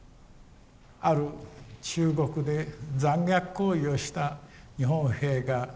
ある中国で残虐行為をした日本兵がいます。